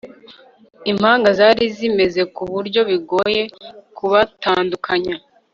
impanga zari zimeze kuburyo bigoye kubatandukanya